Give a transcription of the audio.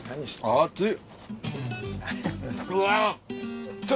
熱い！